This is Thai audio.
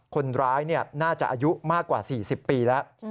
คนร้ายน่าจะอายุมากกว่า๔๐ปีแล้ว